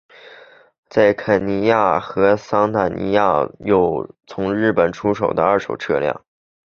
在肯尼亚和坦桑尼亚有从日本出口的二手车辆。